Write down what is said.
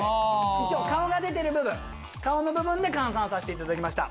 一応顔が出てる部分顔の部分で換算させていただきました。